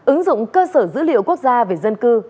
ứng dụng cơ sở dữ liệu quốc gia về dân cư